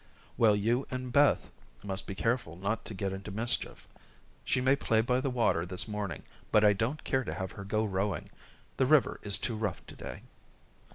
"Well, you and Beth must be careful not to get into mischief. She may play by the water this morning, but I don't care to have her go rowing. The river is too rough to day."